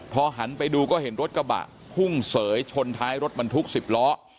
พอหันไปดูก็เห็นรถกระบะพุ่งเสยชนท้ายรถบรรทุก๑๐ล้อ